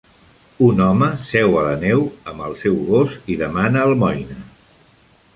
Un home seu a la neu amb el seu gos i demana almoina.